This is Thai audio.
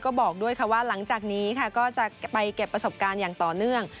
ก็บอกด้วยค่ะว่าหลังจากนี้ค่ะก็จะไปเก็บประสบการณ์อย่างต่อเนื่อง